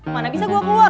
mana bisa gue keluar